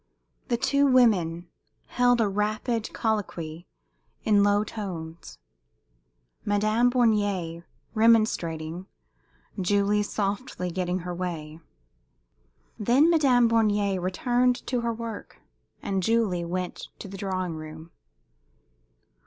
The two women held a rapid colloquy in low tones Madame Bornier remonstrating, Julie softly getting her way. Then Madame Bornier returned to her work, and Julie went to the drawing room.